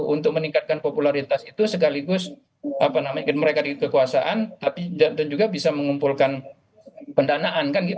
untuk meningkatkan popularitas itu sekaligus apa namanya mereka di kekuasaan tapi juga bisa mengumpulkan pendanaan kan gitu